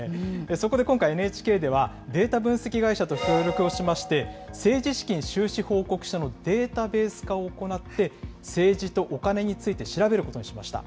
そこで今回、ＮＨＫではデータ分析会社と協力をしまして、政治資金収支報告書のデータベース化を行って、政治とお金について調べることにしました。